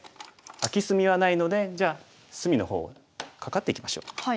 空き隅はないのでじゃあ隅の方をカカっていきましょう。